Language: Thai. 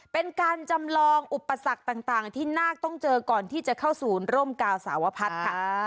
เป็นการจำลองอุปสรรคต่างที่นาคต้องเจอก่อนที่จะเข้าศูนย์ร่มกาวสาวพัฒน์ค่ะ